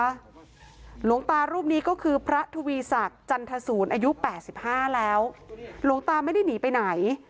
หลวงตารูปนี้ก็คือพระทวีศักดิ์จันทศูนย์อายุ๘๕แล้วหลวงตาไม่ได้หนีไปไหน